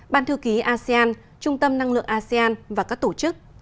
ban thư ký asean trung tâm năng lượng asean và các tổ chức